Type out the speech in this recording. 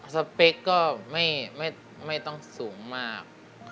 สเปคก็ไม่ต้องสูงมาก